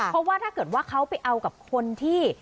เพราะว่าถ้าเกิดว่าเขาไปเอากับคนที่